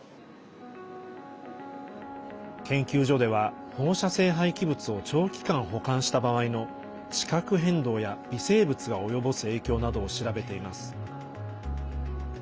研究所では、放射性廃棄物を長期間保管した場合の地殻変動や微生物が及ぼす影響などを調べています。